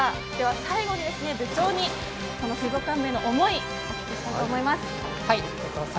最後に部長にこの水族館部への思いをお聞きしたいと思います。